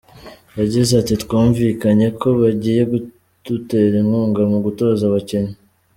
Yagize ati “Twumvikanye ko bagiye kudutera inkunga mu gutoza abakinnyi.